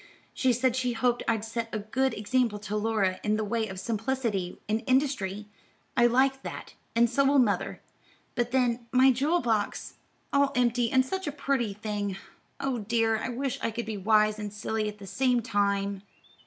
She said she hoped I'd set a good example to Laura, in the way of simplicity and industry. I liked that, and so will mother. But then, my jewel box! All empty, and such a pretty thing. Oh dear, I wish I could be wise and silly at the same time."